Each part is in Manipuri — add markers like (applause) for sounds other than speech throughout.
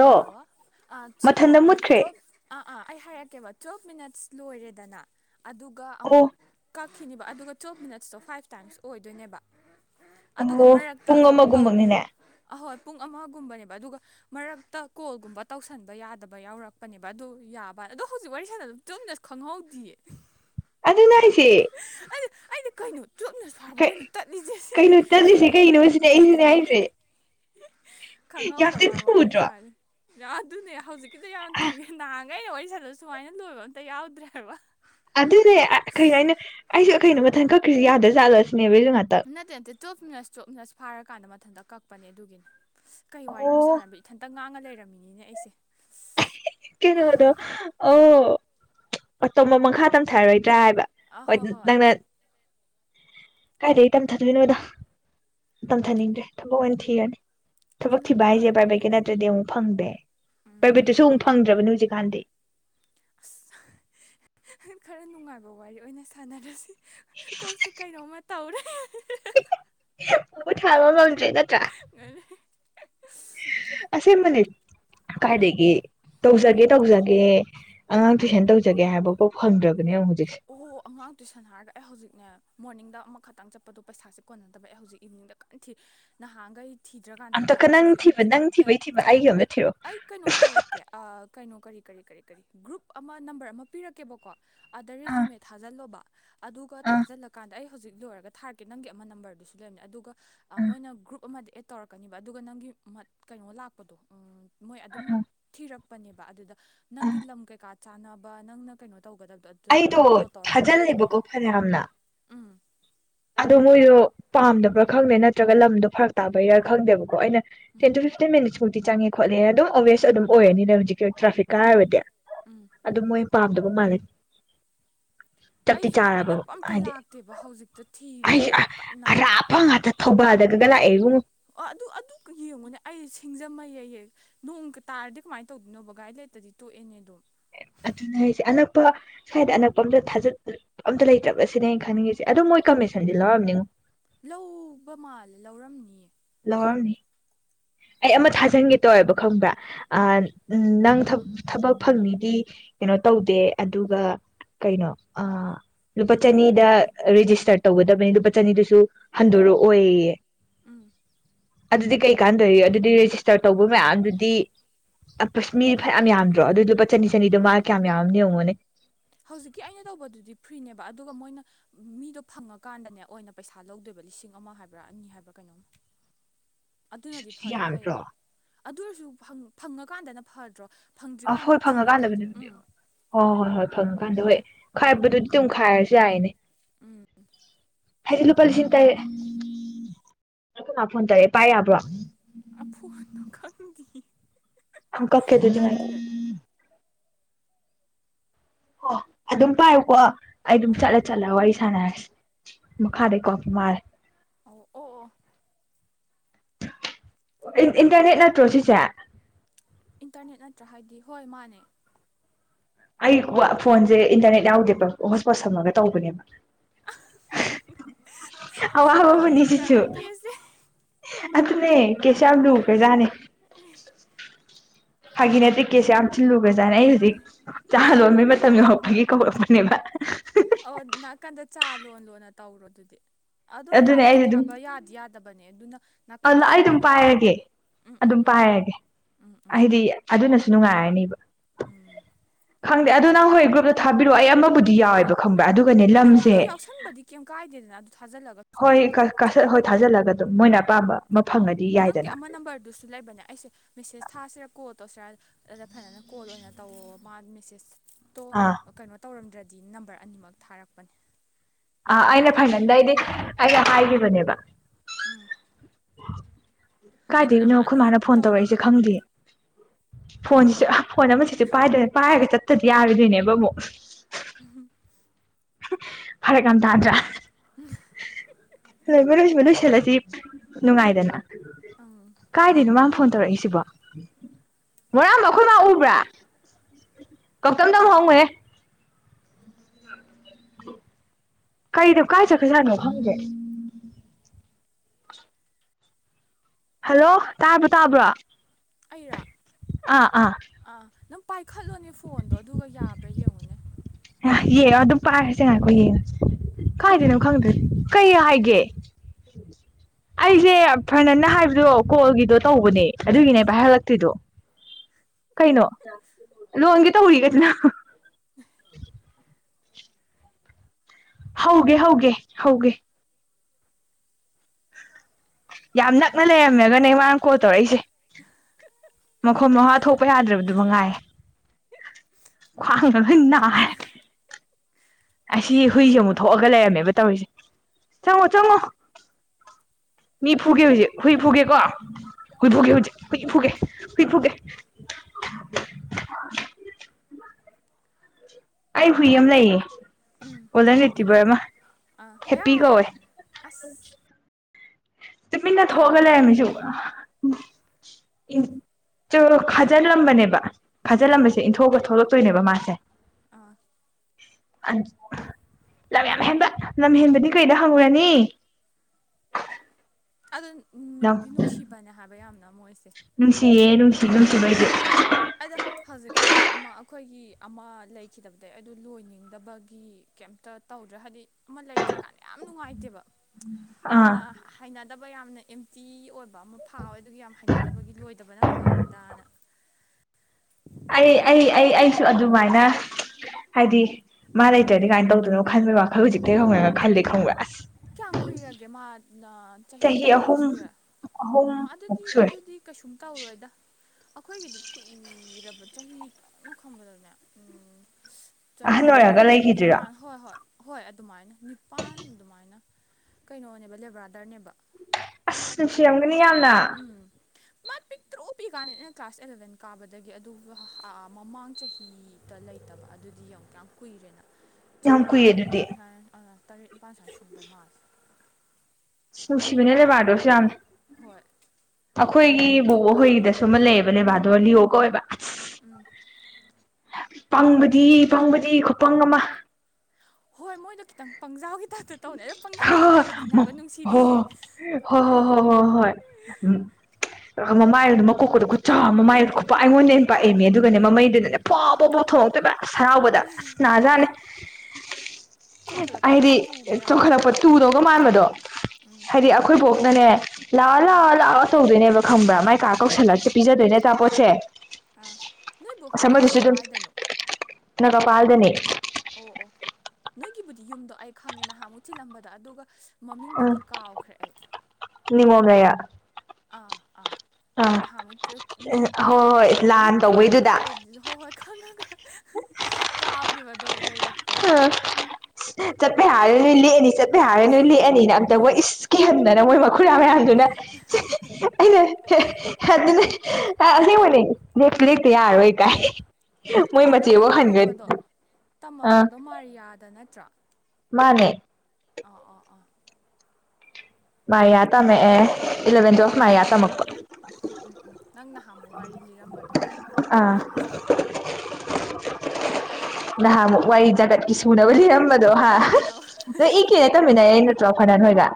ꯍꯜꯂꯣ ꯑ ꯁꯤꯗꯣ ꯃꯊꯟꯇ ꯃꯨꯠꯈ꯭ꯔꯦ ꯇꯨꯋꯦꯜ ꯑ ꯑꯥ ꯑꯩ ꯍꯥꯏꯔꯛꯀꯦꯕ ꯇꯨꯋꯦꯜꯞ ꯃꯤꯅꯠꯁ ꯂꯣꯏꯔꯦꯗꯅ ꯑꯗꯨꯒ ꯑꯣ ꯑꯃꯨꯛ ꯀꯛ ꯆꯠꯈꯤꯅꯤꯕ ꯑꯗꯨꯒ ꯇꯨꯌꯦꯜꯞ ꯃꯤꯅꯠꯁꯇꯣ ꯐꯥꯏꯚ ꯇꯥꯏꯝꯁ ꯑꯣꯏꯗꯣꯏꯅꯦꯕ ꯑꯗꯨꯒ ꯑꯣ ꯃꯔꯛꯇ ꯄꯨꯡ ꯇꯧ ꯑꯃꯒꯨꯝꯕꯅꯤꯅꯦ ꯑꯍꯣꯏ ꯄꯨꯡ ꯑꯃꯒꯨꯝꯕꯅꯦꯕ ꯑꯗꯨꯒ ꯃꯔꯛꯇ ꯀꯣꯜꯒꯨꯝꯕ ꯇꯧꯁꯟꯕ ꯌꯥꯗꯕ ꯌꯥꯎꯔꯛꯄꯅꯦꯕ ꯑꯗꯣ ꯌꯥꯕ ꯑꯗꯣ ꯍꯧꯖꯤꯛ ꯋꯥꯔꯤ ꯁꯥꯟꯅꯕ ꯇꯨꯋꯦꯜ ꯃꯤꯅꯠꯁ ꯈꯪꯍꯧꯗꯤꯌꯦ ꯑꯗꯨꯅ ꯑꯩꯁꯦ ꯑꯩꯗꯤ ꯑꯩꯗꯤ ꯀꯩꯅꯣ ꯇꯨꯋꯦꯜꯞ ꯃꯤꯅꯠꯁ ꯐꯥꯔꯕ ꯀꯩꯅꯣ ꯇꯠꯂꯤꯁꯦ ꯁꯤꯅꯦ ꯀꯩꯅꯣ ꯆꯠꯂꯤꯁꯦ ꯀꯩꯅꯣ ꯁꯤꯅꯦ ꯑꯩꯁꯤꯅꯦ ꯍꯥꯏꯁꯦ ꯌꯥꯝ ꯋꯥꯔꯤꯔ ꯊꯨꯗ꯭ꯔꯣ ꯁꯜ ꯌꯥ ꯑꯗꯨꯅꯦ ꯍꯧꯖꯤꯛ ꯀ ꯌꯥ ꯇꯨ ꯌꯦ ꯀꯩꯅ ꯋꯥꯔꯤ ꯁꯥꯗ ꯁꯨꯃꯥꯏꯅ ꯂꯣꯏꯕ ꯑꯝꯇ ꯌꯥꯎꯗ꯭ꯔꯦꯕ ꯑꯗꯨꯅꯦ ꯀꯩꯅꯣ ꯑꯩꯅ ꯑꯩꯁꯨ ꯀꯩꯅꯣ ꯃꯊꯪ ꯀꯛꯈ꯭ꯔꯤꯁꯨ ꯌꯥꯗ ꯆꯥꯠꯂꯁꯤ ꯅꯦꯕ ꯉꯥꯛꯇ ꯁ꯭ꯇꯣꯞꯅꯁ ꯏꯁꯇꯣꯞꯅꯁ ꯐꯥꯔꯀꯥꯟꯗ ꯃꯊꯟꯇ ꯀꯛꯄꯅꯦ ꯑꯗꯨꯒꯤꯅꯦ ꯀꯔꯤ ꯋꯥꯔꯤꯅꯣ ꯑꯣ ꯁꯥꯟꯅꯕ ꯏꯊꯟꯇ ꯉꯥꯡꯉ ꯂꯩꯔꯝꯃꯤꯅꯤꯅꯦ ꯑꯩꯁꯦ ꯀꯩꯅꯣꯗꯣ ꯑꯣ ꯑꯇꯣꯝꯕ ꯃꯈꯥ ꯇꯪ ꯊꯥꯔꯣꯏꯗ ꯠꯇ꯭ꯔꯥ ꯍꯥꯏꯕ ꯍꯣꯏ ꯅꯪꯅ ꯀꯥꯏꯗꯏ ꯇꯝꯊꯥꯗꯣꯏꯅꯣꯗ ꯇꯝꯊꯅꯤꯡꯗ꯭ꯔꯦ ꯊꯃꯛ ꯑꯣꯏꯅ ꯊꯤꯔꯅꯤ ꯊꯃꯛ ꯑꯗꯨꯅ ꯊꯈꯤꯕꯕꯥ ꯍꯥꯏꯖꯦ ꯄꯥꯕ ꯐꯔꯦꯗ ꯀꯅꯥ ꯇꯎ ꯐꯪꯗꯦ ꯎꯝ ꯄ꯭ꯔꯥꯏꯚꯦꯠꯇꯨꯁꯨꯨꯛ ꯐꯪꯗ꯭ꯔꯕꯅꯦ ꯍꯧꯖꯤꯛ ꯀꯥꯟꯗꯤ ꯑꯁ ꯈꯔ ꯅꯨꯡꯉꯥꯏꯕ ꯋꯥꯔꯤ ꯑꯣꯏꯅ ꯁꯥꯟꯅꯔꯁꯤ ꯀꯣꯁꯤ ꯀꯥꯏꯅꯣ ꯃ ꯇꯧꯔꯦ ꯄꯨ ꯍꯜ ꯆꯜ ꯅꯠꯇ꯭ꯔꯥ ꯑꯁꯦꯡꯕꯅꯤ ꯀꯥꯏꯗꯒꯤ ꯇꯧꯖꯒꯦ ꯇꯧꯖꯒꯦ ꯑꯉꯥꯡ ꯇꯨꯏꯁꯟ ꯇꯧꯖꯒꯦ ꯍꯥꯏꯕꯐꯥꯎ ꯐꯪꯗ꯭ꯔꯕꯅꯦ ꯑꯃꯨꯛꯛꯇ ꯑꯣꯍꯣ ꯑꯉꯥꯡ ꯇꯨꯏꯁꯟ ꯍꯥꯏꯔꯒ ꯑꯩ ꯍꯧꯖꯤꯛꯅꯦ ꯃꯣꯔꯅꯤꯡꯗ ꯑꯃꯈꯛꯇꯪ ꯆꯠꯄꯗꯣ ꯄꯩꯁꯥꯁꯦ ꯀꯣꯟꯅꯗꯕ ꯑꯩ ꯍꯧꯖꯤꯛ ꯏꯚꯅꯤꯡꯗ ꯀꯟꯅ ꯊꯤ ꯅꯍꯥꯟꯈꯩ ꯊꯤꯗ꯭ꯔꯀꯥꯟꯗꯅ ꯑꯝꯇꯀ ꯂꯥꯛꯑꯦ ꯅꯪ ꯍꯧꯖꯤꯛꯅ ꯊꯤꯕ ꯅꯪ ꯕꯠ ꯊꯤꯕꯩ ꯊꯤꯕ ꯑꯩꯒꯤ ꯑꯝꯇ ꯊꯤꯔꯛꯑꯣ ꯑꯩ ꯀꯩꯅꯣ ꯍꯥꯏꯔꯛꯀꯦ ꯀꯩꯅꯣ ꯀꯔꯤ ꯀꯔꯤ ꯀꯔꯤ ꯀꯔꯤ ꯒ꯭ꯔꯨꯞ ꯑꯃ ꯅꯝꯕꯔ ꯑꯃ ꯄꯤꯔꯛꯀꯦꯕꯀꯣ ꯑꯥ ꯗ ꯦꯖꯨꯃꯦ ꯊꯥꯖꯤꯜꯂꯣꯕ ꯑꯗꯨꯒ ꯑꯥ ꯊꯥꯖꯤꯜꯂꯀꯥꯟꯗ ꯑꯩ ꯍꯧꯖꯤꯛ ꯂꯣꯏꯔꯒ ꯊꯥꯔꯛꯀꯦ ꯅꯪꯒꯤ ꯑꯃ ꯅꯝꯕꯔꯗꯨꯁꯨ ꯂꯩꯕꯅꯦ ꯑꯗꯨꯒ ꯑꯥ ꯃꯣꯏꯅ ꯒ꯭ꯔꯨꯞ ꯑꯃ ꯇꯧꯔꯛꯀꯅꯦꯕ ꯑꯗꯨꯒ ꯅꯪꯒꯤ ꯃ ꯀꯩꯅꯣ ꯂꯥꯛꯄꯗꯣ ꯃꯣꯏ ꯑꯗꯨꯝ ꯑꯥ ꯊꯤꯔꯛ ꯀꯛꯄꯅꯦꯕ ꯑꯗꯨꯗ ꯅꯪꯤ ꯑꯥ ꯂꯝ ꯑꯃ ꯀꯦ ꯀꯥꯇ ꯆꯥꯟꯅꯕ ꯅꯪꯅ ꯀꯩꯅꯣ ꯇꯧꯒꯗꯕ ꯑꯩꯗꯣ ꯊꯥꯖꯤꯜꯂꯦꯕꯀꯣ ꯐꯅꯌꯥꯝꯅ ꯎꯝ ꯑꯗꯣ ꯃꯣꯏꯗꯣ ꯄꯥꯝꯗꯕ꯭ꯔꯥ ꯈꯪꯗꯦ ꯅꯠꯇ꯭ꯔꯒ ꯂꯝꯗꯣ ꯐꯔꯛ ꯇꯥꯕꯩꯔꯥ ꯈꯪꯗꯦꯕꯀꯣ ꯑꯩꯅ ꯇ ꯎꯝ ꯇ ꯐ ꯍꯧꯖꯤꯛꯇꯤ ꯆꯪꯉꯦ ꯈꯣꯠꯂꯦ ꯑꯗꯨꯝ ꯑꯣꯕꯕꯤꯌꯁ ꯑꯗꯨꯝ ꯑꯣꯏꯔꯅꯤ ꯍꯧꯖꯤꯛ ꯇ꯭ꯔꯥꯐꯤꯛꯀ ꯎꯝ ꯎꯝ ꯍꯥꯏꯕꯗꯤ ꯎꯝ ꯑꯗꯨ ꯃꯣꯏ ꯄꯥꯝꯗꯕ ꯃꯥꯂꯛ ꯑꯩꯁꯨꯅꯦ ꯑꯅꯛꯄ ꯑꯝꯇ ꯍꯥꯏꯗꯤ ꯂꯥꯛꯇꯦꯕ ꯍꯧꯖꯤꯛꯇ ꯑꯩ ꯊꯤꯔꯤꯕꯅꯦꯕ ꯀꯟꯅ ꯒꯦꯂ ꯑꯩ ꯑꯣ ꯑꯗꯨ ꯑꯗꯨ ꯌꯦꯡꯉꯨꯅꯦ ꯑꯩ ꯁꯤꯡꯖꯃꯩꯌꯦ ꯅꯣꯡ ꯇꯥꯔꯗꯤ ꯀꯃꯥꯏꯅ ꯇꯧꯗꯣꯏꯅꯣꯕ ꯒꯥꯏꯗꯂꯥꯏꯟꯠꯇꯗꯤ ꯇꯣꯛꯑꯦꯅꯦ ꯑꯗꯨꯝ ꯑꯗꯨꯅ ꯑꯩꯁꯦ ꯑꯅꯛꯄ ꯁ꯭ꯋꯥꯏꯗ ꯑꯅꯛꯄ ꯑꯝꯇ ꯊꯥꯖꯠ ꯑꯝꯇ ꯂꯩꯇꯕꯁꯤꯅꯦꯅ ꯈꯟꯅꯤꯡꯉꯁꯦ ꯑꯗꯣ ꯃꯣꯏ ꯀꯃꯦꯁꯟꯗꯤ ꯂꯧꯔꯝꯅꯤꯉꯣ ꯂꯧꯕ ꯃꯥꯜꯂꯦ ꯂꯧꯔꯝꯅꯤꯌꯦ ꯂꯧꯔꯝꯅꯤ ꯑꯩ ꯑꯃ ꯊꯥꯖꯟꯒꯦ ꯇꯧꯋꯦꯕ ꯈꯪꯕ꯭ꯔꯥ ꯎꯝ ꯅꯪ ꯊꯕꯛ ꯐꯪꯅꯤꯗꯤ ꯀꯩꯅꯣ ꯇꯧꯗꯦ ꯑꯗꯨꯒ ꯀꯩꯅꯣ ꯂꯨꯄꯥ ꯆꯅꯤꯗ ꯔꯦꯖꯤꯁꯇꯔ ꯇꯧꯒꯗꯕꯅꯤ ꯂꯨꯄꯥ ꯆꯅꯤꯗꯨꯁꯨ ꯍꯟꯗꯣꯔꯛꯑꯣꯌꯦ ꯎꯝ ꯑꯗꯨꯗꯤ ꯀꯩꯀꯥꯟꯗꯔꯤ ꯑꯗꯨꯗꯤ ꯔꯦꯖꯤꯁꯇꯔ ꯇꯧꯕ ꯃꯌꯥꯝ ꯑꯗꯨꯗꯤ ꯑ ꯃꯤ ꯐ ꯎꯝ ꯌꯥꯝꯗ꯭ꯔꯣ ꯑꯗꯨꯗꯨꯄꯥ ꯆꯅꯤ ꯎꯝ ꯆꯅꯤꯗꯨꯣ ꯃꯥ ꯀꯌꯥꯝ ꯌꯥꯝꯝꯗ ꯃꯅꯦ ꯍꯧꯖꯤꯛꯀꯤ ꯑꯩꯅ ꯇꯧꯕꯗꯨꯗꯤ ꯐ꯭ꯔꯤꯅꯦꯕ ꯑꯗꯨꯒ ꯃꯣꯏꯅ ꯃꯤꯗꯣ ꯐꯪꯉꯀꯥꯟꯗꯅꯦ ꯑꯣꯏꯅ ꯄꯩꯁꯥ ꯂꯧꯗꯣꯏꯕ ꯂꯤꯁꯤꯡ ꯑꯃ ꯍꯥꯏꯕ꯭ꯔꯥ ꯑꯅꯤ ꯍꯥꯏꯕ꯭ꯔꯥ ꯀꯩꯅꯣꯝ ꯑꯗꯨꯅꯗꯤ ꯑ ꯐꯗꯤ ꯌꯥꯝꯗ꯭ꯔꯣ ꯐꯩꯌꯦꯕ ꯑꯗꯨ ꯑꯣꯏꯔꯁꯨ ꯐꯪꯉꯀꯥꯟꯗꯅ ꯐꯗ꯭ꯔꯣ ꯑ ꯐꯪꯗ꯭ꯔꯤꯀꯥꯟꯗ ꯍꯣꯏ ꯊꯤꯕꯗꯨꯗꯤ ꯐꯪꯉꯀꯥꯟꯗꯅꯕꯅꯦ ꯑꯗꯨꯗꯤ ꯎꯝ ꯍꯣꯏ ꯍꯣꯏ ꯍꯣꯏ ꯐꯪꯉ ꯀꯥꯟꯗꯣ ꯍꯣꯏ ꯈꯥꯏꯕꯗꯨꯗꯤ ꯑꯗꯨꯝ ꯈꯥꯏꯔꯁꯨ ꯌꯥꯏꯅꯦ ꯎꯝ ꯍꯥꯏꯗꯤ ꯂꯨꯄꯥ ꯂꯤꯁꯤꯡ ꯇꯔꯦꯠ ꯂ ꯃꯥ ꯐꯣꯟ ꯇꯔꯦꯠ ꯄꯥꯏ ꯌꯥꯕ꯭ꯔꯣ ꯑꯅ ꯈꯪꯒꯤ ꯀꯀꯦꯗꯨꯗꯤ ꯑꯣ ꯑꯗꯨꯝ ꯄꯥꯏꯌꯨꯀꯣ ꯑꯩ ꯑꯗꯨꯝ ꯑꯥ ꯆꯠ ꯆꯠꯂ ꯋꯥꯣꯏꯁ ꯃ ꯈꯥꯗꯦ ꯀꯣꯄ ꯃꯥꯔ ꯑꯣ ꯑꯣ ꯑꯣ ꯏꯟꯇꯔꯅꯦꯠ ꯅꯠꯇ꯭ꯔꯣ ꯁꯤꯁꯦ ꯏꯟꯇꯔꯅꯦꯠ ꯅꯠꯇ꯭ꯔꯥ ꯍꯥꯏꯗꯤ ꯍꯣꯏ ꯃꯥꯅꯦ ꯑꯩ ꯐꯣꯟꯁꯦ ꯏꯟꯇꯔꯅꯦꯠ ꯌꯥꯎꯗꯦꯕ ꯍꯣꯁꯄꯣꯠ ꯁꯝꯃꯒ ꯇꯧꯕꯅꯦꯕ ꯌꯥꯝ ꯂꯨꯏ ꯑꯋꯥꯕꯕꯨꯅꯤꯁꯤꯁꯨ ꯍꯥꯏꯕ ꯀꯦꯁꯁꯦ ꯑꯗꯨꯅꯦ ꯀꯦꯁꯦ ꯌꯥꯝꯨ꯭ꯔꯦꯖꯥꯠꯅꯦ ꯎ ꯍꯥꯏꯒꯤꯅꯦ ꯇ ꯀꯦꯁꯦ ꯌꯥꯝ ꯊꯤꯜꯂꯨ ꯖꯥ ꯑꯩ ꯍꯧꯖꯤꯛ ꯆꯥꯗ ꯃꯇꯝ ꯌꯧꯔꯛꯄꯒꯤ ꯀꯧꯔꯛꯄꯅꯦꯕ ꯑꯣ ꯅꯥꯀꯟꯗ ꯆꯥ ꯂꯣꯟ ꯂꯣꯟꯅ ꯇꯧꯔꯣ ꯑꯗꯨꯗꯤ ꯑꯗꯣ ꯂꯥꯎꯗ ꯊꯥꯕ ꯌꯥꯗꯤ ꯌꯥꯗꯕꯅꯦ ꯑꯗꯨꯅ ꯑ ꯅꯥꯀꯟꯗ ꯂ ꯑꯩ ꯑꯗꯨꯝ ꯁꯨꯃꯥꯏꯅ ꯐꯣꯟ ꯄꯥꯏꯔꯒꯦ ꯎꯝ ꯎꯝ ꯑꯗꯨꯝ ꯎꯝ ꯄꯥꯏꯔꯒꯦ ꯎꯝ ꯎꯝ ꯍꯥꯏꯗꯤ ꯑꯗꯨꯅꯁꯨ ꯅꯨꯡꯉꯥꯏꯔꯅꯦꯕ ꯎꯝ ꯈꯪꯗꯦ ꯑꯗꯨ ꯅꯪ ꯍꯣꯔꯦꯟ ꯒ꯭ꯔꯨꯞꯇ ꯊꯥꯕꯤꯔꯑꯣ ꯑꯩ ꯑꯃ ꯑꯗꯨꯕꯨꯗꯤ ꯍꯣꯏ ꯌꯥꯎꯋꯦꯕ ꯈꯪꯕ꯭ꯔ ꯑꯗꯨꯒꯅꯦ ꯑꯗꯨꯝ ꯂꯝꯁꯦ ꯑꯗꯣ ꯌꯥꯎꯁꯟꯕꯗꯤ ꯀꯩꯝ ꯀꯥꯏꯗꯦꯗꯅ ꯑꯗꯨ ꯊꯥꯖꯤꯜꯂꯒ ꯁꯨꯝ ꯍꯣꯏ ꯍꯣꯏ ꯊꯥꯖꯜꯂꯒ ꯑꯗꯨꯝ ꯃꯣꯏꯅ ꯄꯥꯝꯕ ꯅꯪꯒꯤ ꯑꯃ ꯅꯝꯕꯔꯗꯨꯁꯨ ꯂꯩꯕꯅꯦ ꯑꯩꯁꯦ ꯃꯦꯁꯦꯁ ꯊꯥꯁꯤꯔꯥ ꯀꯣꯜ ꯇꯧꯁꯤꯔꯥ ꯑꯗ ꯐꯅꯅ ꯀꯣꯜ ꯑꯣꯏꯅ ꯇꯧꯋꯣ ꯃꯥ ꯃꯦꯁꯦꯁ ꯇꯣ ꯑꯥ ꯀꯩꯅꯣ ꯇꯧꯔꯝꯗ꯭ꯔꯗꯤ ꯗꯤ ꯅꯝꯕꯔ ꯑꯅꯤꯃꯛ ꯊꯥꯔꯛꯄꯅꯤ ꯑ ꯑꯩꯅ (unintelligible) ꯗꯤ ꯑꯩꯅ ꯍꯥꯏꯈꯤꯕꯅꯦꯕ ꯎꯝ (inaudible) ꯑꯩꯗꯣ ꯀꯥꯏꯗꯩꯩꯅꯣ ꯑꯩꯈꯣꯏ ꯅꯍꯥꯟꯗꯒꯤ ꯃꯥꯅ ꯐꯣꯟ ꯇꯧꯒꯦ ꯇꯧꯔꯛꯏꯁꯦ ꯈꯪꯗꯦ ꯐꯣꯟꯁꯤꯁꯨ ꯐꯣꯟ ꯑꯃ ꯁꯤꯠꯁꯨꯗꯣꯏ ꯄꯥꯏꯔꯒ ꯆꯠꯇꯗꯤ ꯌꯥꯔꯣꯏꯗꯣꯏꯅꯦꯕ ꯑꯃꯨꯛ ꯎꯝ ꯐꯔꯛ ꯌꯥꯝ ꯇꯥꯖ ꯎ ꯃꯔꯣꯏꯁꯤꯃ ꯂꯣꯏꯁꯤꯜꯂꯁꯤ ꯅꯨꯡꯉꯥꯏꯗꯅ ꯑꯪ ꯀꯥꯏꯗꯣꯏꯅꯣ ꯃꯥꯅ ꯐꯣꯟ ꯇꯧꯔꯛꯏꯁꯤꯕꯣ ꯃꯣꯔꯥꯝꯕ ꯑꯩꯈꯣꯏ ꯃꯥ ꯎꯕ꯭ꯔꯥ ꯀꯧꯇꯝꯗ ꯑꯃꯨꯛ ꯍꯣꯡꯉꯦ ꯀꯩꯗ ꯀꯥꯏ ꯆ ꯈꯁꯅꯦ ꯍꯜꯂꯣ ꯇꯥꯕ꯭ꯔꯣ ꯇꯥꯕ꯭ꯔꯣ ꯑꯩꯔꯣ ꯑꯥ ꯑꯥ ꯑ ꯅꯪ ꯄꯥꯏꯈꯠꯂꯣꯅꯦ ꯐꯣꯟꯗꯣ ꯑꯗꯨꯒ ꯌꯥꯕ꯭ꯔꯥ ꯌꯦꯡꯉꯨꯅꯦ ꯌꯦꯡꯉꯣ ꯑꯗꯨꯝ ꯄꯥꯏꯔꯁꯦ ꯉꯥꯏꯈꯣ ꯌꯦꯡꯉ ꯀꯥꯏꯗꯣꯏꯅꯣ ꯈꯪꯗꯣꯏ ꯀꯩ ꯍꯥꯏꯒꯦ ꯑꯩꯁꯦ ꯐꯔꯅꯟꯅ ꯍꯥꯏꯕꯗꯣ ꯀꯣꯜꯒꯤꯗꯣ ꯇꯧꯕꯅꯦ ꯑꯗꯨꯒꯤꯅꯦ ꯄꯥꯏꯍꯜꯂꯛꯇꯣꯏꯗꯣ ꯀꯩꯅꯣ ꯂꯨꯍꯣꯡꯒꯦ ꯇꯧꯔꯤꯒꯗꯨꯅ ꯍꯧꯒꯦ ꯍꯧꯒꯦ ꯍꯧꯒꯦ ꯌꯥꯝ ꯅꯛꯅ ꯂꯩꯔꯝꯃꯒꯅꯦ ꯃꯥꯅ ꯀꯣꯜ ꯇꯧꯔꯛꯏꯁꯦ ꯃꯈꯣꯟ ꯃꯋꯥ ꯊꯣꯛꯄ ꯌꯥꯗ꯭ꯔꯕꯗꯨ ꯃꯉꯥꯏꯌꯦ ꯈ꯭ꯋꯥꯡꯒ ꯂꯣꯏ ꯅꯥꯔꯦ ꯑꯁꯤ ꯍꯨꯏꯁꯦ ꯑꯃꯨꯛ ꯊꯣꯛꯑꯒ ꯂꯩꯔꯝꯃꯦꯕ ꯇꯧꯔꯤꯁꯦ ꯆꯪꯉꯣ ꯆꯪꯉꯣ ꯃꯤ ꯐꯨꯒꯦ ꯍꯧꯖꯤꯛ ꯍꯨꯏ ꯐꯨꯒꯦꯀꯣ ꯍꯨꯏ ꯐꯨꯒꯦ ꯍꯧꯖꯤꯛ ꯍꯨꯏ ꯐꯨꯒꯦ ꯍꯨꯏ ꯐꯨꯒꯦ ꯑꯩ ꯍꯨꯏ ꯑꯃ ꯂꯩꯌꯦ ꯎꯝ ꯀꯩ ꯒꯣꯜꯗꯟ ꯃꯃꯤꯡ ꯔꯤꯇꯤꯚꯔ ꯀꯧꯒꯦ ꯑꯃ ꯑꯥ ꯑꯌꯥ ꯍꯦꯞꯄꯤ ꯀꯧꯋꯦ ꯑꯁ ꯇꯨꯃꯤꯟꯅ ꯊꯣꯛꯑꯒ ꯂꯩꯔꯥ ꯂꯩꯔꯝꯃꯤꯁꯦ ꯎ ꯈꯥꯖꯤꯜꯂꯝꯕꯅꯦꯕ ꯐꯖꯜꯂꯝꯕꯁꯦ ꯏꯟꯊꯣꯛꯑꯒ ꯊꯣꯛꯂꯛꯄ ꯇꯣꯏꯅꯦꯕ ꯃꯥꯁꯦ ꯑꯥ (unintelligible) ꯂꯝ ꯌꯥꯝ ꯍꯦꯟꯕ ꯂꯝ ꯍꯦꯟꯕꯗꯤ ꯀꯩꯗ ꯍꯪꯉꯨꯔꯅꯤ ꯑꯗꯨ (unintelligible) ꯅꯪ ꯅꯨꯡꯗꯤ ꯅꯨꯡꯁꯤꯕꯅꯦ ꯍꯥꯏꯕ ꯌꯥꯝꯅ ꯃꯣꯏꯁꯦ ꯐꯤꯂꯝꯁꯨ ꯂꯩꯗꯤ ꯑꯗ ꯍꯧꯖꯤꯛꯀꯥꯟꯗꯣ ꯑꯃ ꯑꯩꯈꯣꯏꯒꯤ ꯑꯃ ꯂꯩꯈꯤꯗꯕꯗꯩ ꯑꯗꯨ ꯂꯣꯏꯅꯤꯡꯗꯕꯒꯤ ꯀꯩꯇ ꯇꯧꯗ꯭ꯔꯥ ꯍꯥꯏꯗꯤ ꯑꯃ ꯂꯩꯇ꯭ꯔꯀꯥꯟꯗ ꯌꯥꯝ ꯅꯨꯡꯉꯥꯏꯇꯦꯕ ꯑꯥ ꯌꯥꯝꯅ ꯍꯥꯏꯅ ꯅꯗꯕ ꯌꯥꯝꯅ ꯑꯦꯝꯇꯤ ꯑꯣꯏꯕ ꯑꯃ ꯐꯥꯎꯋꯦ ꯑꯗꯨ ꯌꯥꯝꯅ ꯍꯩꯅꯗꯕꯒꯤ ꯂꯣꯏꯗꯕꯅ ꯐꯔꯦꯗꯥꯅ ꯁꯨ ꯑꯗꯨꯃꯥꯏꯅ ꯍꯥꯏꯗꯤ ꯃꯥ ꯂꯩꯇ꯭ꯔꯗꯤ ꯀꯥꯏꯅ ꯇꯧꯗꯣꯏꯅꯣ ꯈꯟꯕꯒꯤ ꯋꯥꯈꯜ ꯍꯧꯖꯤꯛꯇꯩ ꯈꯧꯅꯒ ꯈꯜꯂꯦ ꯈꯪꯕ꯭ꯔꯥ ꯑꯁ ꯀꯌꯥꯝ ꯀꯨꯏꯔꯒꯦ ꯃꯥ ꯆꯍꯤ ꯀꯌꯥꯝ ꯐꯥ ꯁꯨꯔꯦ ꯑ ꯑꯍꯨꯝꯃꯨꯛ ꯑꯗꯨꯗꯤ ꯁꯨꯔꯦ ꯑꯗꯨꯗꯤ ꯀꯩꯁꯨꯝ ꯇꯧꯔꯣꯏꯗ ꯑꯩꯈꯣꯏꯒꯤꯗꯤ ꯀꯨꯏꯔꯕ ꯆꯍꯤ ꯑꯩꯅ ꯈꯟꯕꯗꯅꯦ ꯎꯝ ꯆꯍꯤ ꯑꯍꯟ ꯑꯣꯏꯔꯒ ꯇꯔꯦꯠ ꯂꯩꯈꯤꯗ꯭ꯔꯤꯔꯣ ꯅꯤꯄꯥꯜ ꯍꯣꯏ ꯍꯣꯏ ꯍꯣꯏ ꯑꯗꯨꯃꯥꯏꯅ ꯅꯤꯄꯥꯟ ꯑꯗꯨꯃꯥꯏꯅ ꯀꯩꯅꯣꯅꯦꯕ ꯂꯦꯕ꯭ꯔꯥꯗꯔꯅꯦꯕ (unintelligible) ꯀꯅꯤ ꯌꯥꯝꯅ ꯃꯥ ꯄꯤꯛꯇ꯭ꯔꯨ ꯄꯤꯛꯢ ꯀꯥꯟꯗ ꯑꯩꯅ ꯀ꯭ꯂꯥꯁ ꯑꯦꯂꯕꯦꯟ ꯀꯥꯕꯗꯒꯤ ꯑꯗꯨ ꯃꯃꯥꯡ ꯆꯍꯤꯗ ꯂꯩꯇꯕ ꯑꯗꯨꯗꯤ ꯌꯦꯡꯉꯨ ꯌꯥꯝ ꯀꯨꯏꯔꯦꯅ ꯌꯥꯝ ꯆꯍꯤ ꯀꯨꯏꯌꯦ ꯑꯗꯨꯗꯤ ꯇꯔꯦꯠ ꯍꯥꯏ (unintelligible) ꯇꯔꯦꯠ ꯄꯥꯟꯁꯤꯋꯥꯢ ꯁꯨꯝꯗꯣ ꯃꯥꯂꯦ ꯅꯨꯡꯁꯤꯕꯤꯅꯦ ꯂꯩꯕꯥꯔꯕꯗꯣꯁꯦ ꯌꯥꯝꯅ ꯍꯣꯏ ꯑꯩꯈꯣꯏꯒꯤ ꯕꯨꯕꯣꯛꯈꯣꯏꯒꯤꯗꯁꯨ ꯑꯃ ꯂꯩꯌꯦꯕ ꯂꯦꯕꯥꯔꯗꯣ ꯂꯤꯌꯣ ꯀꯧꯋꯦꯕ ꯎꯝ ꯄꯪꯕꯗꯤ ꯄꯪꯕꯗꯤ ꯈꯨꯄꯪ ꯑꯃ ꯍꯣꯏ ꯃꯣꯏꯗꯣ ꯈꯤꯇꯪ ꯄꯪꯖꯥꯎꯒꯤ ꯇꯥꯏꯞꯇ ꯇꯧꯅꯦ ꯑꯗꯣ ꯍ ꯄꯪꯖꯥꯎꯗꯧ ꯍ ꯇꯧꯕꯗꯨꯅꯦ ꯍ ꯍꯥꯏꯕ ꯍꯣ ꯅꯨꯡꯁꯤꯔꯤꯁꯦ ꯍ ꯍ ꯍꯣꯏ ꯎ ꯃꯃꯥꯏꯒꯗꯣ ꯃꯀꯣꯛꯀꯇꯣ ꯈꯨꯆꯥꯥꯎ ꯑꯃ ꯃꯃꯥꯏ ꯈꯨꯄꯥꯛ ꯑꯩꯉꯣꯟꯗꯩ ꯍꯦꯟ ꯄꯥꯛꯑꯃꯦ ꯑꯗꯨꯒꯅ ꯃꯃꯩꯗꯨꯗꯅꯦ ꯐꯣꯞꯐꯣꯞꯐꯣꯞ ꯊꯣꯝꯉꯛꯇꯣꯏꯕ ꯑꯁ ꯍꯔꯥꯎꯕꯗ ꯑꯁ ꯅꯥꯖꯥꯅꯤ ꯑꯩꯗꯤ ꯆꯣꯡꯈꯠꯂꯛꯄꯗꯒ ꯇꯨꯒ ꯌꯥꯎꯕꯅꯦ ꯆꯥꯎꯈꯠꯂꯛꯄ ꯍꯥꯏꯕ ꯇꯨꯗꯣꯒ ꯃꯥꯟꯕꯗꯣ ꯎꯝ ꯍꯥꯏꯗꯤ ꯑꯩꯈꯣꯏ ꯊꯣꯛꯅꯅꯦ ꯂꯥꯑꯣ ꯎꯝ ꯂꯥꯑꯣ ꯂꯥꯛꯑꯣ ꯇꯧꯗꯣꯢꯅꯦꯕ ꯈꯝꯕ꯭ꯔꯥ ꯃꯥꯏ ꯀꯥ ꯑꯥ ꯀꯧꯁꯜꯂꯇ ꯄꯤꯖꯗꯣꯏꯅꯦ ꯇ ꯑꯥ ꯄꯣꯠꯁꯦ ꯑꯥ ꯅꯣꯏꯕꯨ ꯑꯁ ꯍꯣꯏ ꯑꯃꯝꯗꯨꯁꯨ ꯃꯌꯨꯝꯅ ꯑꯗꯨꯝ ꯀꯥꯏꯗꯅꯣ ꯅꯒꯄꯥꯥꯜꯗꯅꯦ ꯑꯣ ꯑꯣ ꯅꯣꯏꯒꯤꯕꯨꯗꯤ ꯌꯨꯝꯗꯣ ꯑꯩ ꯈꯪꯉꯦ ꯅꯍꯥꯟ ꯃꯨꯛ ꯊꯤꯜꯂꯝꯕꯗ ꯑꯗꯨꯒ ꯃꯃꯤꯡꯗꯨꯗꯤ ꯀꯥꯎꯈ꯭ꯔꯦ ꯑꯩ ꯅꯤꯡꯃꯒꯌꯥ ꯑꯥ ꯑꯥ ꯅꯍꯥꯟꯃꯨꯛꯇ ꯎꯝ ꯑꯃ ꯍꯣꯏ ꯍꯣꯏ ꯌꯨꯝ ꯂꯥꯟ ꯊꯣꯡꯒꯥꯟ ꯇꯧꯕꯩꯗꯨꯗ ꯀꯩꯀꯥꯗꯗꯤ ꯍꯣꯏ ꯍꯣꯏ ꯈꯪꯉ ꯀꯥꯎꯈꯤꯕꯗꯣ ꯂꯩꯔꯛ ꯑꯝ ꯆꯄꯦ ꯍꯥꯏꯂ ꯑꯅꯤ ꯆꯠꯄꯦ ꯍꯥꯏꯔ ꯅꯣꯏ ꯂꯤ ꯑꯅꯤꯅ ꯑꯝꯇ ꯃꯣꯏ ꯏꯁ ꯀꯤꯍꯟꯗꯅ ꯃꯣꯏ ꯃꯈꯨꯔꯥ ꯃꯌꯥꯝꯗꯨꯅ ꯑꯩꯅ ꯑꯗꯨꯅ ꯑꯦ ꯃꯅꯦ ꯗꯦꯠꯂꯤꯇ ꯑꯔꯑꯣꯣꯏ ꯀꯥꯏ ꯃꯣꯏ ꯑꯣ ꯅꯪꯅ ꯃꯆꯦꯐꯥꯎ ꯍꯟꯒꯅꯤ ꯇꯝꯃꯛꯄꯗꯣ ꯇꯝꯃꯛꯄꯗꯣ ꯃꯥꯔꯤꯌꯥꯗꯅ ꯆ ꯃꯥꯅꯦ ꯑ ꯑ ꯑ ꯃ ꯌꯥꯇ ꯃ ꯏꯂꯕꯦꯟ ꯇ ꯋꯥꯁ ꯃꯥꯥꯏ ꯌꯥ ꯇ ꯃꯛꯄ ꯎꯝ ꯎꯝ ꯎꯝ ꯅꯪ ꯅꯍꯥꯟꯃꯨꯛ ꯋꯥꯔꯤ ꯂꯤꯔꯝꯕꯗꯣ ꯑꯥ ꯑꯩ ꯅꯤꯡꯁꯤꯡꯉꯛꯏꯅꯦ ꯅꯍꯥ ꯃꯨꯛ ꯋꯥꯏ ꯖꯥꯒꯠꯀꯤ ꯁꯨꯅꯕ ꯂꯩꯔꯝꯃꯤ ꯗꯣ ꯍꯥ ꯑꯧ ꯏ ꯀꯦꯅꯦ ꯇꯝꯃꯤꯅꯦ ꯑꯩ ꯅꯠꯇ꯭ꯔꯣ ꯐꯅꯟ ꯍꯣꯏꯒ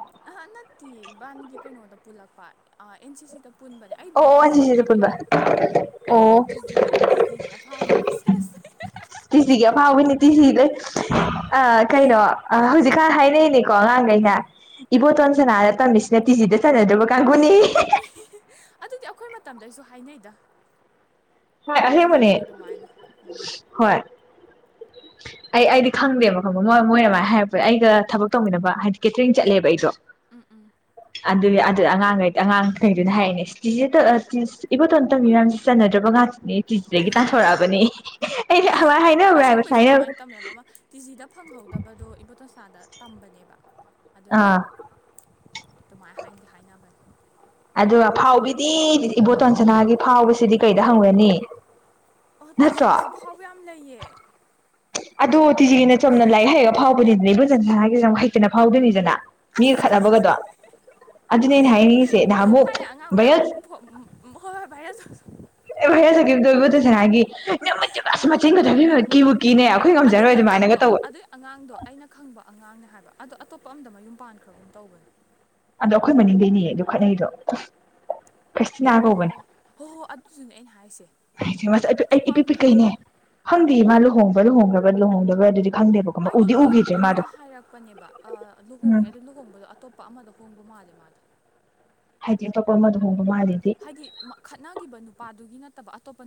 ꯇꯤ ꯏꯕꯥꯟꯒꯤ ꯀꯩꯅꯣꯗ ꯄꯨꯜꯂꯛꯄ ꯑꯦꯟ ꯁꯤ ꯁꯤꯗ ꯄꯨꯟꯕꯅꯦ ꯑꯩꯕꯨꯗꯤ ꯑꯣ ꯑꯣ ꯇꯤꯖꯤꯗ ꯁꯤꯁꯤꯗ ꯄꯨꯟꯕ ꯇꯝꯃꯛꯑꯦ ꯑꯩꯕꯨꯗꯤ ꯑꯣ ꯇꯤꯖꯤ ꯇꯤꯖꯤꯒꯤ ꯑꯐꯥꯎꯕꯤꯅꯤ ꯁꯦꯁ ꯑ ꯀꯩꯅꯣ ꯑ ꯍꯧꯖꯤꯛꯀꯥꯟ ꯍꯥꯏꯅꯩꯅꯦ ꯀꯉꯩꯅ ꯑꯥ ꯏꯕꯣ ꯑꯥ ꯑꯣꯟ ꯁ ꯍꯥꯏ ꯃꯁ ꯌꯥ ꯇꯤꯁꯤꯖꯤꯗ ꯆ ꯅꯍꯣ ꯀ ꯀꯥꯡꯒꯨꯅꯤ ꯑꯗꯨꯗꯤ ꯑꯩꯈꯣꯏ ꯃꯇꯝꯗ ꯑꯩꯁꯨ ꯍꯥꯏꯅꯩꯗ ꯍ ꯑꯦ ꯃꯅꯤ ꯍꯥꯏꯅꯕꯅꯦ ꯑꯗꯨꯃꯥꯏꯅ ꯑꯥ ꯍ ꯑꯩ ꯑꯩꯗꯤ ꯈꯪꯗꯦꯕ ꯈꯪꯕ ꯃꯣꯏ ꯃꯣꯏꯅꯃꯥꯏꯅ ꯍꯥꯏꯔꯛꯄ ꯑꯩꯒ ꯊꯕꯛ ꯇꯧꯃꯤꯟꯅꯕ ꯍꯥꯏꯗꯤ ꯀꯦꯇꯔꯤꯡ ꯆꯠꯂꯦꯕ ꯑꯩꯗꯣ ꯎꯝ ꯎꯝ ꯑꯗꯨ ꯑꯗꯨ ꯑꯉꯥꯡꯈꯩ ꯑꯉꯥꯡꯈꯩꯗꯨꯅ ꯍꯥꯏꯔꯛꯑꯅꯦꯇꯦ ꯏꯕꯣꯇꯣ ꯇꯝꯕꯤ ꯃꯔꯝꯦ ꯆꯠꯅꯗ꯭ꯔꯕ ꯉꯥꯛꯇ ꯅ ꯇꯤꯖꯤꯗꯒꯤ ꯇꯥꯟꯊꯣꯔꯛꯑꯕꯅꯦ ꯑꯩꯩꯅ ꯑꯋꯥ ꯍꯣꯏ ꯍꯥꯏꯅꯕ꯭ꯔꯥ ꯍꯥꯏꯅꯁ ꯑꯁꯦꯡꯕꯩꯁꯨ ꯍꯥꯏꯅꯕ ꯑꯗꯨꯃꯥꯏꯅ ꯇꯝꯃꯦꯕ ꯑꯃ ꯇꯤꯖꯤꯗ ꯐꯪꯍꯧꯗꯕꯗꯣ ꯏꯕꯣꯇꯣꯟꯁꯅꯥꯗ ꯇꯝꯕꯅꯦꯕ ꯑꯗꯨꯅ ꯑꯗꯨꯃꯥꯏꯅ ꯍꯥꯏꯗꯤ ꯍꯥꯏꯅꯕꯅꯤ ꯑ ꯐꯥꯎꯕꯤꯗꯤ ꯏꯕꯣꯇꯣꯟꯁꯅꯥꯒꯤ ꯐꯥꯎꯕꯁꯤꯗꯤ ꯀꯩꯗ ꯍꯪꯒꯅꯤ ꯑ ꯇꯤꯖꯤꯒꯤꯁꯨ ꯐꯥꯎꯕ ꯌꯥꯝ ꯂꯩꯌꯦ ꯑꯗ ꯇꯤꯖꯤꯒꯤꯅ ꯆꯝꯅ ꯂꯥꯛꯏ ꯍꯥꯏꯔꯒ ꯐꯥꯎꯕ ꯑꯗꯨꯗꯤꯗ ꯅ ꯑꯩꯕꯨꯖꯟ ꯁꯅꯥꯒꯤꯦ ꯍꯩꯇꯅ ꯐꯥꯎꯗꯣꯏꯅꯤꯁꯤꯅ ꯃꯤꯒ ꯑꯁ ꯈꯠꯅꯕꯒꯗꯣ ꯑꯗꯨ ꯑꯗꯨ ꯅ ꯍꯥꯏꯅꯤꯁꯦ ꯐꯅ ꯑꯉꯥꯡ ꯃꯌꯥꯝ ꯍꯣꯏ ꯍꯣꯏ ꯚꯥꯏꯔ ꯑꯦ ꯁ ꯀ ꯇꯕꯨꯁꯒꯦ ꯃ ꯃꯦꯕꯁ ꯃꯥ ꯆꯤꯡꯉ ꯊ ꯀꯕꯨ ꯑꯗꯨꯒꯤ ꯑꯉꯥꯡꯗꯣ ꯑꯗꯨꯒꯤ ꯑꯉꯥꯡꯗꯣ ꯑꯩꯅ ꯈꯪꯕ ꯑꯉꯥꯡꯅꯦ ꯍꯥꯏꯕ ꯑꯣ ꯑꯇꯣꯞꯄ ꯑ ꯌꯨꯝꯄꯥꯟ ꯈꯔꯒꯨꯝ ꯇꯧꯕꯅꯤ ꯑꯗꯣ ꯑꯩꯈꯣꯏ ꯃꯅꯤꯡꯗꯩꯅꯦ ꯑꯗꯣ ꯈꯠꯅꯩꯗꯣ ꯈꯩꯁꯇꯅ ꯀꯧꯕꯧꯕꯅ ꯑꯣ ꯍꯣ ꯍꯣ ꯑꯗꯨꯗꯨꯅꯦ ꯑꯩꯅ ꯍꯥꯏꯁꯦ ꯆꯦ ꯃꯥꯁ ꯑꯩ ꯑꯇꯣꯞꯄ ꯑꯝꯗ ꯏꯄꯤꯄꯤꯤꯛꯩꯅꯦ ꯎꯝ ꯐꯪꯗꯦ ꯃꯥ ꯂꯨꯍꯣꯡꯉꯦ ꯍꯣꯡꯕꯗꯂꯍꯣꯡꯗꯒ ꯑꯗꯨꯗꯤ ꯈꯪꯗꯦꯕꯀꯣ ꯃꯥ ꯑꯩꯗꯣ ꯎꯗꯤ ꯎꯈꯤꯗ꯭ꯔꯦ ꯐꯦꯁꯕꯨꯛꯇ ꯃꯤꯅ ꯃꯥꯗꯣ ꯍꯥꯏꯔꯛꯄꯅꯦꯕ ꯎꯝ ꯂꯨꯍꯣꯡꯉꯦ ꯑꯗꯨ ꯂꯨꯍꯣꯡꯕꯗꯣ ꯑꯇꯣꯞꯄ ꯑꯃꯗ ꯍꯣꯡꯕ ꯃꯥꯜꯂꯦ ꯃꯥꯜꯂꯦ ꯍꯥꯏꯗꯤ ꯑꯇꯣꯞꯄ ꯑꯃꯗꯨ ꯍꯣꯡꯕ ꯃꯥꯂꯗꯤ ꯇꯕꯥꯇꯣ ꯄ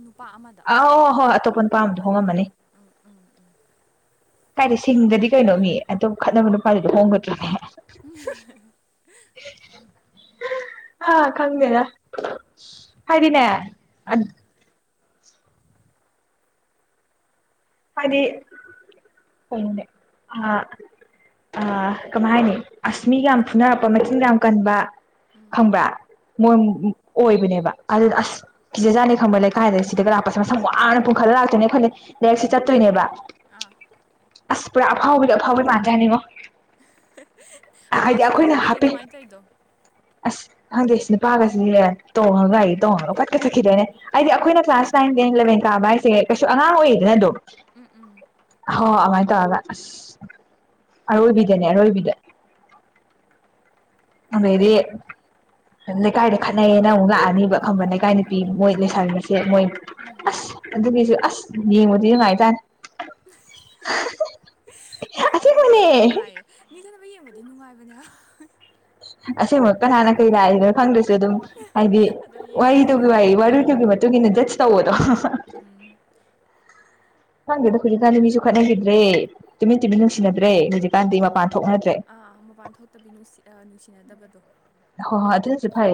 ꯑ ꯑꯍꯣꯏ ꯑꯇꯣꯞꯄ ꯅꯨꯄꯥ ꯑꯗꯣ ꯍꯣꯡꯉꯝꯃꯅꯤ ꯎꯝ ꯎꯝ ꯎꯝ ꯀꯥꯏꯗꯤ ꯁꯤꯡꯗꯗꯤ ꯀꯩꯅꯣ ꯃꯤ ꯑꯗꯨꯣ ꯈꯠꯅꯕ ꯅꯨꯄꯥꯗꯨꯗꯤ ꯍꯣꯡꯒꯗ꯭ꯔꯔꯤꯅꯦꯍ (unintelligible) ꯑ ꯈꯪꯗꯦꯗ ꯍꯥꯏꯗꯤꯅꯦ ꯑꯗꯨ ꯎꯝ ꯍꯥꯏꯗꯤ ꯀꯣꯅꯦ ꯀꯃꯥꯏ ꯍꯥꯏꯅꯤ ꯑꯁꯃꯤꯒ ꯌꯥꯝ ꯍꯥꯏꯌꯣ ꯐꯨꯅꯔꯛꯄ ꯍꯥꯏꯌꯣ ꯃꯆꯤꯟ ꯌꯥꯝ ꯀꯟꯕ ꯎꯝ ꯐꯪꯕ꯭ꯔꯥ ꯃꯣꯏ ꯎꯝ ꯑꯣꯏꯕꯅꯦꯕ ꯑꯗꯨꯗ ꯑꯁ ꯐꯤꯖꯠꯅꯤ ꯈꯪꯕ ꯂꯩꯥꯏꯗ ꯁꯤꯗꯒ ꯂꯥꯛꯄꯁꯦ ꯃꯁꯝ ꯋꯥꯡꯅ ꯄꯨꯡꯈꯠꯂ ꯂꯥꯛꯇꯣꯏꯅꯦ ꯈꯜꯂꯤ ꯂꯥꯏꯔꯤꯛꯁꯤ ꯆꯠꯇꯣꯏꯅꯦꯕ ꯑꯥ ꯑꯁ ꯄꯨꯔꯥ ꯑꯐꯥꯎꯕꯤꯗꯣ ꯑꯐꯥꯎꯕ ꯃꯥꯟꯖꯥꯅꯤꯉꯣ ꯐꯥꯎꯁꯨ ꯑꯩꯈꯣꯏꯅ ꯐꯥꯎꯕꯩꯅꯦ ꯍꯥꯞꯄꯤ ꯑꯗꯨꯃꯥꯏꯅ ꯇꯧꯗꯣ ꯑꯁ ꯍꯪꯗꯦꯁ ꯅꯨꯄꯥꯒꯁꯤꯦ ꯇꯣꯡꯉꯒꯒꯥ ꯇꯣꯡꯉꯉꯒ ꯐꯠꯀ ꯆꯠꯈꯤꯗꯣꯏꯅꯦ ꯍꯥꯏꯗꯤ ꯑꯩꯈꯣꯏꯅ ꯀ꯭ꯂꯥꯁ ꯅꯥꯏꯟ ꯇꯦꯟ ꯏꯂꯚꯦꯟ ꯀꯥꯕ ꯍꯥꯏꯁꯦ ꯀꯩꯁꯨ ꯑꯉꯥꯡ ꯑꯣꯏꯌꯦꯗꯅ ꯑꯗꯨꯣ ꯎꯝ ꯎꯝ ꯍꯣꯏ ꯍꯣꯏ ꯑꯗꯨꯃꯥꯏꯅ ꯇꯧꯔꯒ ꯑꯁ ꯑꯔꯣꯏꯕꯤꯗꯅꯦ ꯑꯔꯣꯏꯕꯤꯗ ꯑꯗꯩꯗꯤ ꯂꯩꯀꯥꯏꯗ ꯈꯠꯅꯩꯌꯦꯅ ꯑꯃꯨꯛ ꯂꯥꯛꯑꯅꯤꯕ ꯈꯕ ꯂꯩꯀꯥꯏ ꯅꯨꯄꯤ ꯎꯝ ꯃꯣꯏ ꯂꯩꯁꯁꯦ ꯦ ꯃꯣꯏ ꯎꯝ ꯑꯗꯨꯒꯤꯁꯨ ꯑꯁ ꯌꯦꯡꯕꯗꯤ ꯅꯨꯡꯉꯥꯏꯇꯥꯔꯅꯦ ꯃꯤ ꯈꯠꯅꯕ ꯑꯁꯦꯡꯕꯅꯦ ꯌꯦꯡꯕꯗꯤ ꯅꯨꯡꯉꯥꯏꯌꯦ ꯃꯤ ꯈꯠꯅꯕ ꯌꯦꯡꯕꯗꯤ ꯑꯗꯨ ꯅꯨꯡꯉꯥꯏꯕꯅꯦ ꯑꯁꯤꯃ ꯀꯅꯥꯥꯟꯅ ꯀꯩ ꯂꯥꯛꯏꯅꯣ ꯈꯪꯗ꯭ꯔꯁꯤꯦ ꯑꯗꯨꯝ ꯍꯥꯏꯗꯤ ꯑꯗꯨꯝ ꯋꯥꯔꯤ ꯌꯦꯡꯕꯗꯣ ꯇ ꯋꯥꯔꯣꯏꯧꯕꯒꯤ ꯃꯇꯨꯡ ꯃꯇꯨꯡꯏꯟꯅꯠ ꯇ ꯑꯣꯏꯗꯣ (unintelligible) ꯎꯝ ꯍꯪꯗꯦꯗ ꯍꯧꯖꯤꯛꯀꯥꯟꯗꯤ ꯃꯤꯁꯨ ꯈꯠꯅꯈꯤꯗ꯭ꯔꯦ ꯇꯨꯃꯤꯟ ꯇꯨꯃꯤꯟ ꯅꯨꯡꯁꯤꯅꯗ꯭ꯔꯦ ꯍꯧꯖꯤꯛꯀꯥꯟꯗꯤ ꯃꯄꯥꯟ ꯊꯣꯛꯅꯗ꯭ꯔꯦ ꯑꯥ ꯃꯄꯥꯟ ꯊꯣꯛꯇꯕꯤꯁꯤ ꯅꯨꯡꯁꯤꯅꯗꯕꯗ ꯑꯗꯨꯣ (inaudible) ꯍ ꯍ ꯑꯗꯨ ꯐꯥꯏ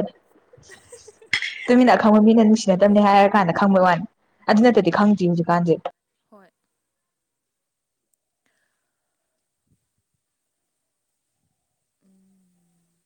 ꯇꯃꯤ ꯂ ꯈꯪꯕ ꯃꯤꯅ ꯅꯨꯡꯁꯤꯅꯗꯕꯅꯤ ꯍꯥꯏꯔ ꯀꯥꯟꯗ ꯈꯪꯕꯩ ꯋꯥꯅꯤ ꯑꯗꯨ ꯎꯝ ꯅꯠꯇꯗꯤ ꯈꯪꯗ꯭ꯔꯤ ꯍꯧꯖꯤꯛꯀꯥꯟꯁꯦ ꯍꯣꯏ ꯎꯝ